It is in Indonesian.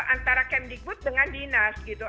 antara kemdikbud dengan dinas gitu